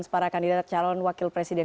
para kandidat calon wakil presiden